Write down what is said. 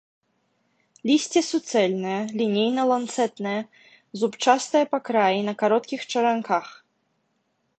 Лісце суцэльнае, лінейна-ланцэтнае, зубчастае па краі, на кароткіх чаранках.